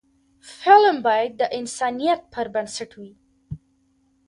فلم باید د انسانیت پر بنسټ وي